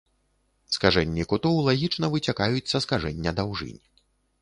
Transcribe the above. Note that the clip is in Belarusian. Скажэнні кутоў лагічна выцякаюць са скажэння даўжынь.